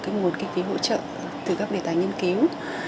cái nguồn kinh phí hỗ trợ từ các đề tài nghiên cứu